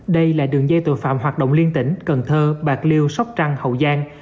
đây là đường dây tội phạm hoạt động liên tỉnh cần thơ bạc liêu sóc trăng hậu giang